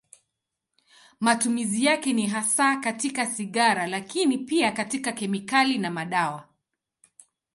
Matumizi yake ni hasa katika sigara, lakini pia katika kemikali na madawa.